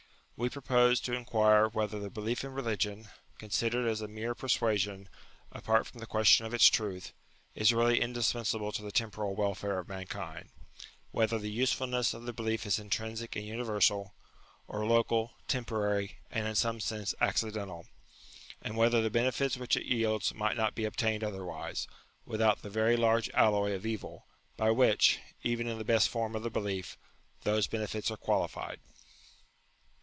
We propose to inquire whether the belief in religion, considered as a mere persuasion, apart from the question of its truth, is really indis pensable to the temporal welfare of mankind ; whether the usefulness of the belief is intrinsic and universal, or local, temporary, and, in some sense, accidental; and whether the benefits which it yields might not be obtained otherwise, without the very large alloy of evil, by which, even in the best form of the belief, those benefits are qualified.